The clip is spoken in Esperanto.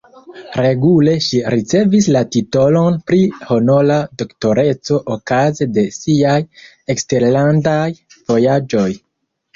Regule ŝi ricevis la titolon pri honora doktoreco okaze de siaj eksterlandaj vojaĝoj.